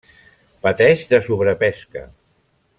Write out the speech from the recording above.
Pateix de sobrepesca.